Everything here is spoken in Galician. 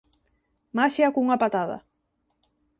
Maxia cunha patada.